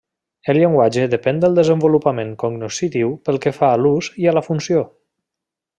El llenguatge depèn del desenvolupament cognoscitiu pel que fa a l'ús i a la funció.